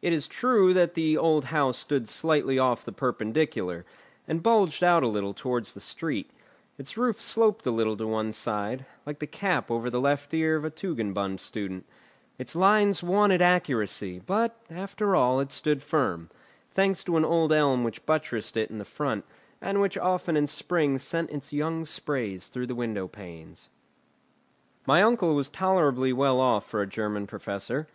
It is true that the old house stood slightly off the perpendicular, and bulged out a little towards the street; its roof sloped a little to one side, like the cap over the left ear of a Tugendbund student; its lines wanted accuracy; but after all, it stood firm, thanks to an old elm which buttressed it in front, and which often in spring sent its young sprays through the window panes. My uncle was tolerably well off for a German professor.